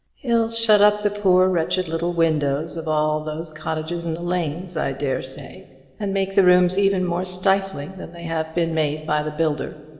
He'll shut up the poor wretched little windows of all those cottages in the lanes, I dare say; and make the rooms even more stifling than they have been made by the builder.